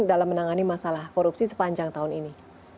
dalam menangani masalah korupsi sepanjang tahun ini